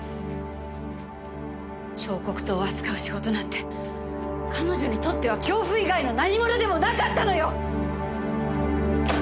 彫刻刀を扱う仕事なんて彼女にとっては恐怖以外の何ものでもなかったのよ！